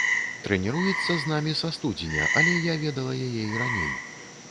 Трэніруецца з намі са студзеня, але я ведала яе і раней.